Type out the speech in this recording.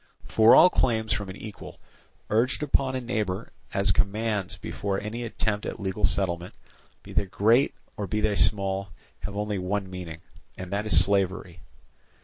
For all claims from an equal, urged upon a neighbour as commands before any attempt at legal settlement, be they great or be they small, have only one meaning, and that is slavery.